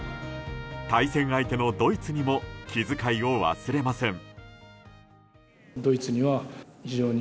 対戦相手のドイツにも気づかいを忘れません。